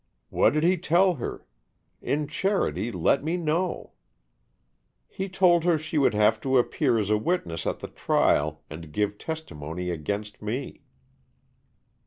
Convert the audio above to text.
"What did he tell her? In charity, let me know." "He told her she would have to appear as a witness at the trial and give testimony against me.